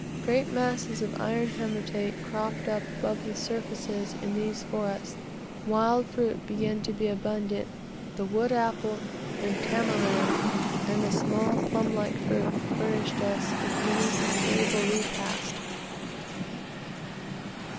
Great masses of iron haematite cropped up above the surfaces in these forests. Wild fruit began to be abundant; the wood apple and tamarind and a small plum like fruit, furnished us with many an agreeable repast.